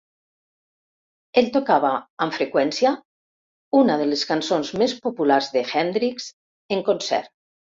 Ell tocava amb freqüència una de les cançons més popular d'Hendrix en concert.